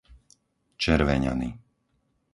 Červeňany